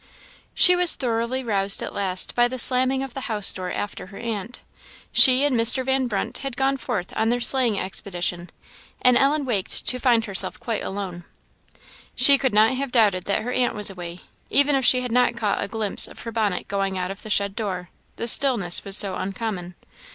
She was thoroughly roused at last by the slamming of the house door after her aunt. She and Mr. Van Brunt had gone forth on their sleighing expedition, and Ellen waked to find herself quite alone. She could not have doubted that her aunt was away, even if she had not caught a glimpse of her bonnet going out of the shed door the stillness was so uncommon.